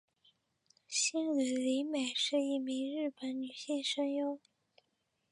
兴梠里美是一名日本女性声优。